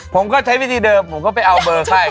ผมก็ใช้วิธีเดิมผมก็ไปเอาเบอร์ไข้